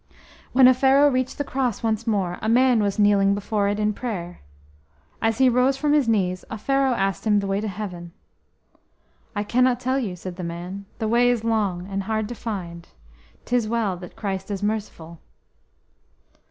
When Offero reached the cross once more, a man was kneeling before it in prayer. As he rose from his knees, Offero asked him the way to Heaven. "I cannot tell you," said the man. "The way is long, and hard to find. 'Tis well that Christ is merciful."